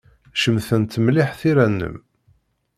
Cemtent mliḥ tira-nnem.